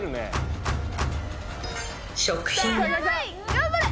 頑張れ！